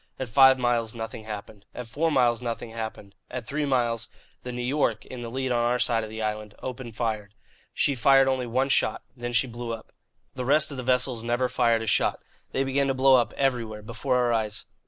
At five miles nothing happened; at four miles nothing happened; at three miles, the New York, in the lead on our side of the island, opened fire. She fired only one shot. Then she blew up. The rest of the vessels never fired a shot. They began to blow up, everywhere, before our eyes.